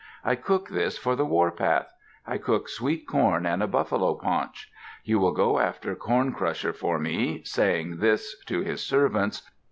I cook this for the warpath. I cook sweet corn and a buffalo paunch. You will go after Corn Crusher for me," saying this to his servants.